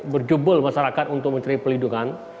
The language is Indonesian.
berjubul masyarakat untuk mencari pelindungan